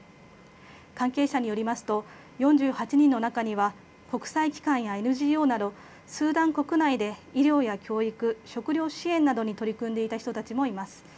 関係者によりますと、４８人の中には、国際機関やＮＧＯなど、スーダン国内で医療や教育、食糧支援などに取り組んでいた人たちもいます。